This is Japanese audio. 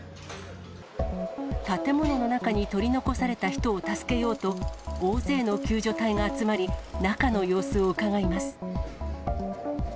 建物の中に取り残された人を助けようと、大勢の救助隊が集まり、中の様子をうかがいます。